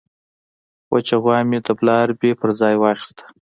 وچه غوا مې د بلاربې په ځای واخیسته.